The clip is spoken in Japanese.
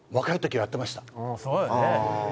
「そうよね」